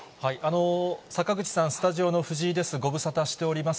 坂口さん、スタジオの藤井です、ご無沙汰しております。